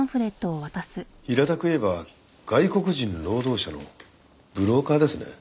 平たく言えば外国人労働者のブローカーですね？